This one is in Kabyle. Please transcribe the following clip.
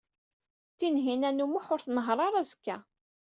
Tinhinan u Muḥ ur tnehheṛ ara azekka.